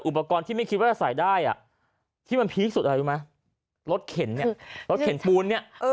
อุปกรณ์ที่ไม่คิดว่าจะใส่ได้อ่ะที่มันพีคสุดอะไรรู้ไหมรถเข็นเนี่ยรถเข็นปูนเนี่ย